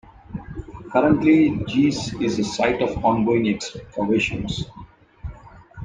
Currently, Giecz is the site of ongoing excavations.